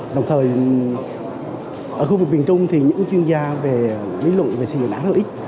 đồng thời ở khu vực miền trung thì những chuyên gia về lý lộn về sinh hoạt đảng rất là ít